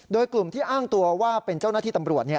โดยกลุ่มที่อ้างตัวว่าเป็นเจ้าหน้าที่ตำรวจ